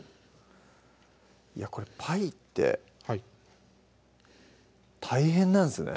これパイって大変なんですね